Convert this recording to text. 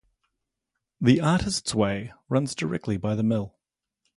The Artists' Way runs directly by the mill.